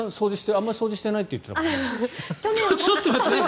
あまり掃除してないって言ってたけど。